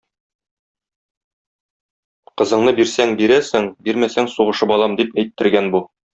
Кызыңны бирсәң бирәсең, бирмәсәң - сугышып алам, - дип әйттергән бу.